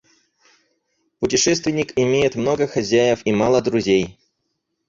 Путешественник имеет много хозяев и мало друзей.